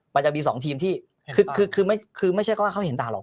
มันจะมี๒ทีมคือไม่ได้เข้าเข้าในเอนตาหรอก